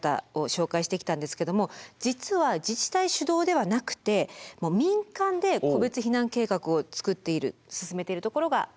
紹介してきたんですけども実は自治体主導ではなくて民間で個別避難計画を作っている進めているところがあります。